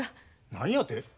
何やて？